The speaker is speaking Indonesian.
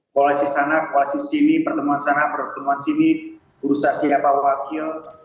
kualisi sana kualisi sini pertemuan sana pertemuan sini urusasi apa wakil